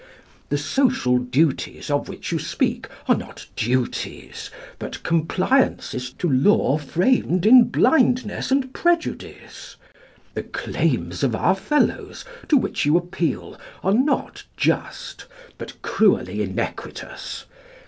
The social duties of which you speak are not duties, but compliances to law framed in blindness and prejudice. The claims of our fellows, to which you appeal, are not just, but cruelly inequitous.